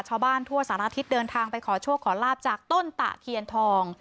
ชาวบ้านทั่วสารทิศเดินทางไปขอโชคขอลาบจากต้นตะเคียนทอง